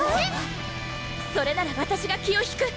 それならわたしが気を引く！